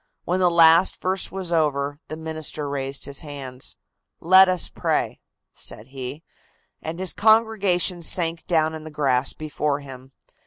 When the last verse was over, the minister raised his hands. "Let us pray," said he, and his congregation sank down in the grass before him.